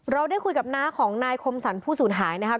เราได้คุยกับน้าของนายคมสรรผู้สูญหายนะครับ